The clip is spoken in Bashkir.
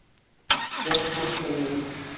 Яҙһамсы мин